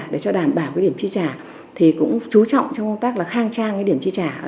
để cho đảm bảo các điểm tri trả thì cũng chú trọng trong công tác là khang trang các điểm tri trả ở đây